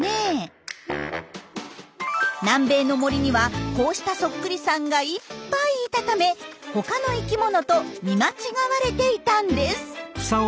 南米の森にはこうしたそっくりさんがいっぱいいたため他の生きものと見間違われていたんです。